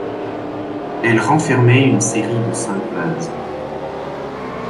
Elle renfermait une série de cinq vases.